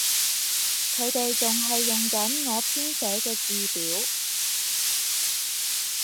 佢哋仲係用緊我編寫嘅字表